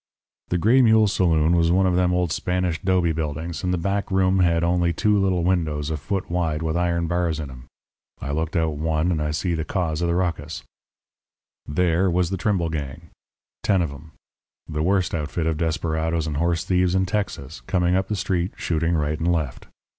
"The Gray Mule saloon was one of them old Spanish 'dobe buildings, and the back room only had two little windows a foot wide, with iron bars in 'em. I looked out one, and I see the cause of the rucus. "There was the Trimble gang ten of 'em the worst outfit of desperadoes and horse thieves in Texas, coming up the street shooting right and left.